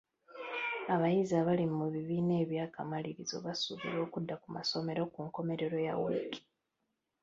Abayizi abali mu bibiina eby'akamalirizo basuubirwa okudda ku masomero ku nkomerero ya wiiki.